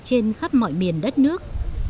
trên khắp mọi miền đất nước